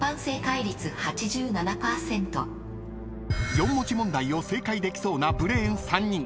［４文字問題を正解できそうなブレーン３人］